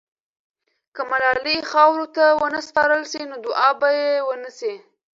که ملالۍ خاورو ته ونه سپارل سي، نو دعا به یې ونسي.